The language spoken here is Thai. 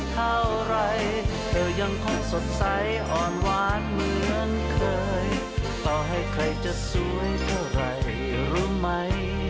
ต่อให้ใครจะสวยเท่าไหร่รู้ไหม